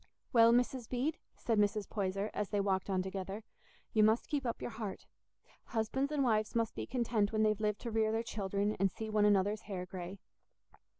"Well, Mrs. Bede," said Mrs. Poyser, as they walked on together, "you must keep up your heart; husbands and wives must be content when they've lived to rear their children and see one another's hair grey."